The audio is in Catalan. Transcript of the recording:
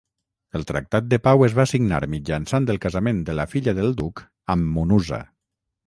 El tractat de pau es va signar mitjançant el casament de la filla del duc amb Munuza.